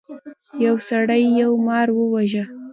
یو سړي یو مار وواژه.